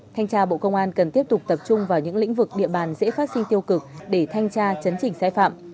thanh tra bộ công an cần tiếp tục tập trung vào những lĩnh vực địa bàn dễ phát sinh tiêu cực để thanh tra chấn chỉnh sai phạm